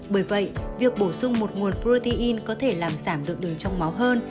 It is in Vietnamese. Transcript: bởi vậy việc bổ sung một nguồn protein có thể làm giảm được đường trong máu hơn